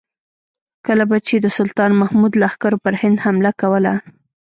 کله به چې د سلطان محمود لښکرو پر هند حمله کوله.